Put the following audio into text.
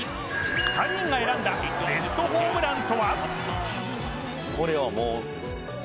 ３人が選んだベストホームランとは？